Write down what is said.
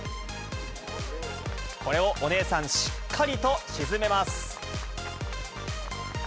これをお姉さん、しっかりと沈めます。